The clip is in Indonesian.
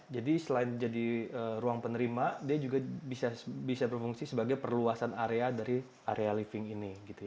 jadi selain jadi ruang penerima dia juga bisa berfungsi sebagai perluasan area dari area living ini